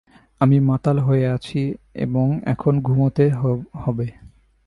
আমি মাতাল হয়ে আছি এবং এখন ঘুমোতে হবে।